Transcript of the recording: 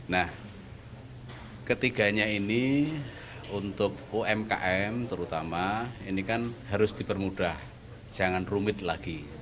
nah ketiganya ini untuk umkm terutama ini kan harus dipermudah jangan rumit lagi